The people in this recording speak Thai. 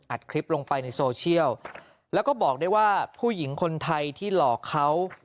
คลิปลงไปในโซเชียลแล้วก็บอกได้ว่าผู้หญิงคนไทยที่หลอกเขา